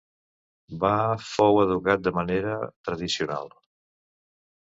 Va fou educat de manera tradicional.